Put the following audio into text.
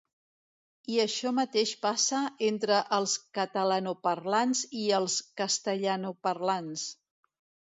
I això mateix passa entre els catalanoparlants i els castellanoparlants.